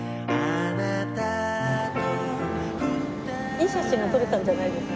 いい写真が撮れたんじゃないですか？